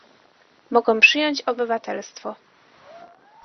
Mogą przyjąć obywatelstwo